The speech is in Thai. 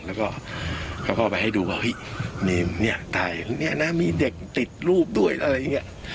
แล้วก็เขาก็เอาไปให้ดูว่านี่ถ่ายนี่นะมีเด็กติดรูปด้วยอะไรอย่างนี้